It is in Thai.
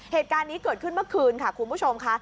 เหตุการณ์นี้เกิดขึ้นเมื่อคืนค่ะคุณผู้ชมค่ะ